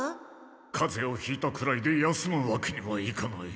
カゼをひいたくらいで休むわけにはいかない。